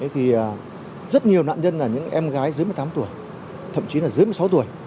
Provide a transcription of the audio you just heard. thì rất nhiều nạn nhân là những em gái dưới một mươi tám tuổi thậm chí là dưới một mươi sáu tuổi